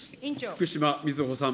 福島みずほさん。